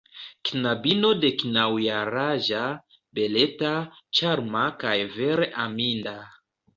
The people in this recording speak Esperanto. Knabino deknaŭjaraĝa, beleta, ĉarma kaj vere aminda.